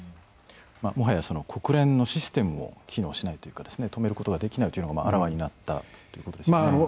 もはや国連のシステムも機能しないというか止めることができないというのがあらわになったということですね。